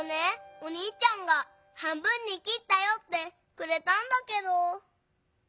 おにいちゃんが「半分にきったよ」ってくれたんだけど。